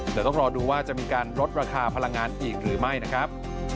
เดี๋ยวต้องรอดูว่าจะมีการลดราคาพลังงานอีกหรือไม่นะครับ